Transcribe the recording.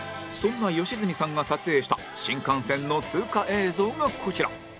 そんな良純さんが撮影した新幹線の通過映像がこちら